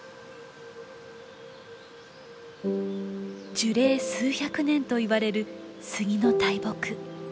樹齢数百年といわれるスギの大木。